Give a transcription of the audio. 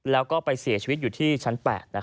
แล้วก็ไปเสียชีวิตอยู่ที่ชั้น๘